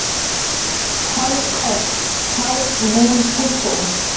Jallq'uw jawch' munkutu